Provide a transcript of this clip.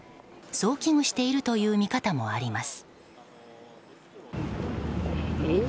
そう危惧しているという見方もあります。